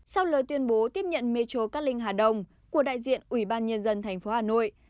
sau lời tuyên bố tiếp nhận mê châu cát linh hà đông của đại diện ubnd tp hà nội